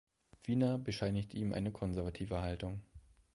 Wiener bescheinigt ihm eine konservative Haltung.